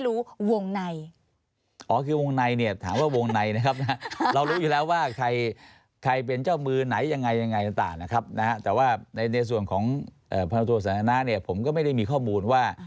พนักธุรกิจสถานะเนี่ยผมก็ไม่ได้มีข้อมูลว่า